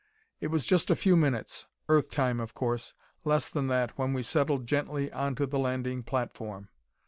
It was just a few minutes Earth time, of course less than that when we settled gently onto the landing platform.